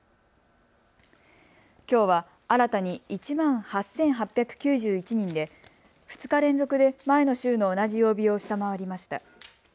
きょうは新たに１万８８９１人で２日連続で前の週の同じ曜日を下回りました。